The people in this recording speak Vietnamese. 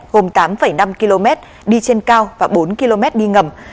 gồm tám năm km đi trên cao và bốn km đi ngầm